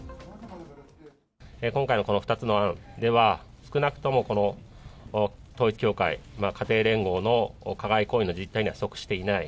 今回のこの２つの案では、少なくともこの統一教会、家庭連合の加害行為の実態には即していない。